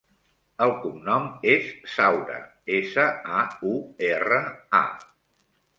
El cognom és Saura: essa, a, u, erra, a.